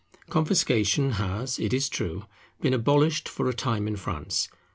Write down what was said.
Confiscation has, it is true, been abolished for a time in France.